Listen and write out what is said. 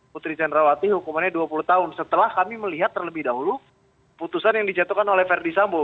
putri candrawati hukumannya dua puluh tahun setelah kami melihat terlebih dahulu putusan yang dijatuhkan oleh verdi sambo